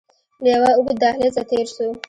له يوه اوږد دهليزه تېر سو.